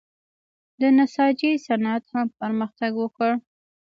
د نساجۍ صنعت هم پرمختګ وکړ.